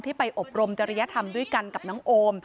ไปอบรมจริยธรรมด้วยกันกับน้องโอม